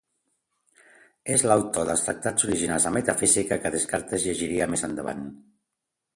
És l'autor dels tractats originals de metafísica, que Descartes llegiria més endavant.